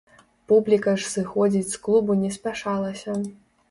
Публіка ж сыходзіць з клубу не спяшалася.